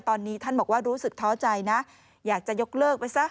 ตอนนี้ท่านบอกว่ารู้สึกท้อใจนะอยากจะยกเลิกไปซะ